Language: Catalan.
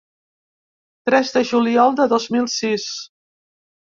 Tres de juliol de dos mil sis.